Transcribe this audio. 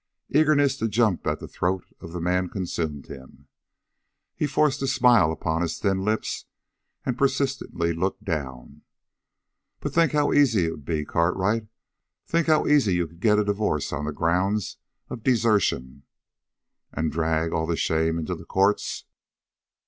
Eagerness to jump at the throat of the man consumed him. He forced a smile on his thin lips and persistently looked down. "But think how easy it'd be, Cartwright. Think how easy you could get a divorce on the grounds of desertion." "And drag all this shame into the courts?"